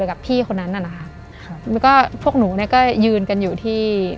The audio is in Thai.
กับพี่คนนั้นน่ะนะคะครับแล้วก็พวกหนูเนี่ยก็ยืนกันอยู่ที่